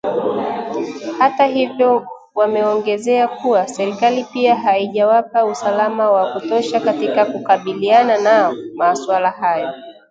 Hata hivyo wameongezea kuwa serikali pia haijawapa usalama wa kutosha katika kukabiliana na maswala hayo